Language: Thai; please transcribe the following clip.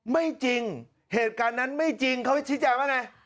ไม่จริงเหตุการณ์นั้นไม่จริงเขาชี้แจงว่าไง